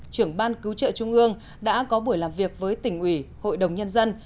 trưởng ban cứu trợ trung ương đã có buổi làm việc với tỉnh ủy hội đồng nhân dân